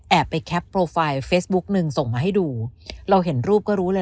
ไปแคปโปรไฟล์เฟซบุ๊กหนึ่งส่งมาให้ดูเราเห็นรูปก็รู้เลย